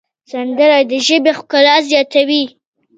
سندره د ژبې ښکلا زیاتوي